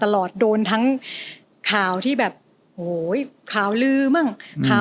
แล้วก็